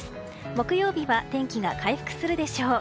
木曜日は天気が回復するでしょう。